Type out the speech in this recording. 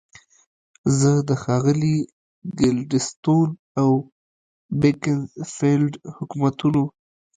زه د ښاغلي ګلیډستون او بیکنزفیلډ حکومتونو.